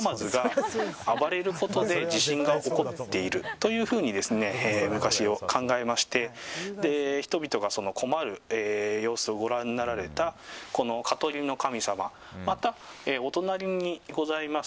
というふうに昔、考えまして人々が、困る様子をご覧になられた香取の神様またお隣にございます